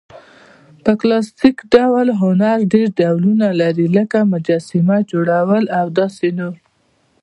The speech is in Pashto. په کلاسیک ډول هنرډېر ډولونه لري؛ لکه: مجسمه، جوړول او داسي...